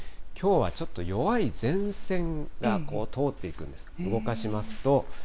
きょうはちょっと弱い前線が通っていくんです、動かしますと。